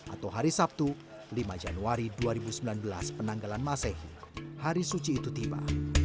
atau hari sabtu lima januari dua ribu sembilan belas penanggalan masehi hari suci itu tiba